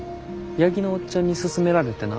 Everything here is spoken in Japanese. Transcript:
八木のおっちゃんに勧められてな。